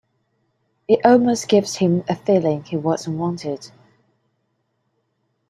It almost gives him a feeling he wasn't wanted.